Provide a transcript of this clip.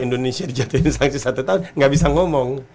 indonesia dijatuhin sanksi satu tahun gak bisa ngomongin